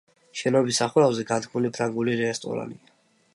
შენობის სახურავზე განთქმული ფრანგული რესტორანია.